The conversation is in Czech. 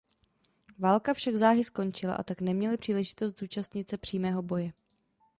Válka však záhy skončila a tak neměli příležitost zúčastnit se přímého boje.